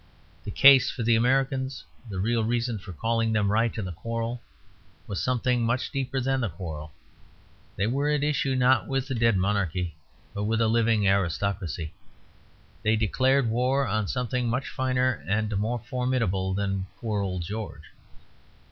The case for the Americans, the real reason for calling them right in the quarrel, was something much deeper than the quarrel. They were at issue, not with a dead monarchy, but with a living aristocracy; they declared war on something much finer and more formidable than poor old George.